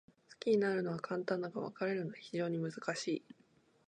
好きになるのは簡単だが、別れるのは非常に難しい。